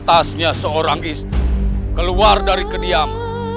masuklah ke dalam